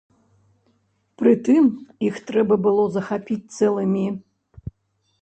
Прытым, іх трэба было захапіць цэлымі.